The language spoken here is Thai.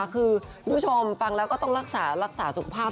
คือคุณผู้ชมฟังแล้วก็ต้องรักษาสุขภาพต่อด้วย